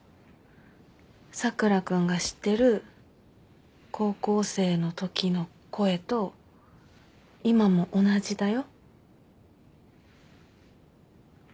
佐倉君が知ってる高校生のときの声と今も同じだよ。